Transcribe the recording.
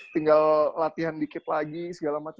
tinggal latihan dikit lagi segala macam